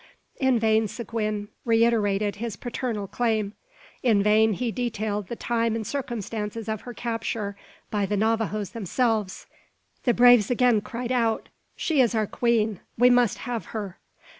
In vain Seguin reiterated his paternal claim. In vain he detailed the time and circumstances of her capture by the Navajoes themselves. The braves again cried out "She is our queen; we must have her!"